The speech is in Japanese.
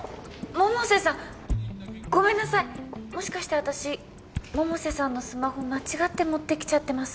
☎百瀬さんごめんなさいもしかして私百瀬さんのスマホ間違って持ってきちゃってます？